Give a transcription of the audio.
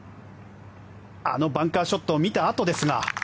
あのバンカーショットを見たあとですが。